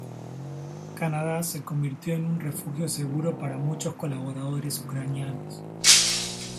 Canadá se convirtió en un refugio seguro para muchos colaboradores ucranianos.